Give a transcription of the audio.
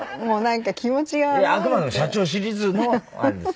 いやあくまでも『社長』シリーズのあれですよ？